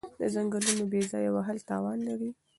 د ځنګلونو بې ځایه وهل تاوان لري.